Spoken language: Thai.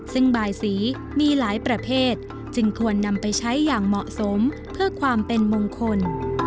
ซึ่งบายสีมีหลายประเภทจึงควรนำไปใช้อย่างเหมาะสมเพื่อความเป็นมงคล